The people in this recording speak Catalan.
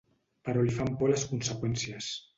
Però li fan por les conseqüències.